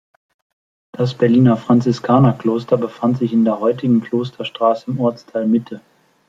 Das Berliner Franziskanerkloster befand sich in der heutigen Klosterstraße im Ortsteil Mitte.